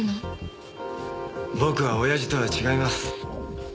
僕は親父とは違います。